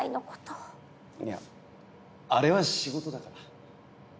いやあれは仕事だから。